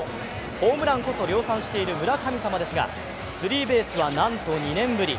ホームランこそ量産している村神様ですが、スリーベースは、なんと２年ぶり。